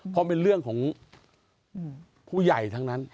เพราะเป็นเรื่องของผู้ใหญ่ทั้งนั้น